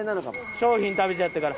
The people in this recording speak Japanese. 商品食べちゃったから。